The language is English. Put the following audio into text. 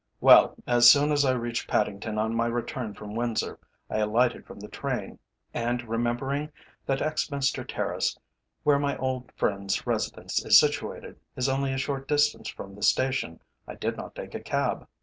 "Well, as soon as I reached Paddington on my return from Windsor, I alighted from the train, and remembering that Exminster Terrace, where my old friend's residence is situated, is only a short distance from the station, I did not take a cab.